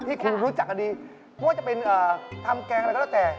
ที่คุณรู้จักกันดีไม่ว่าจะเป็นทำแกงอะไรก็แล้วแต่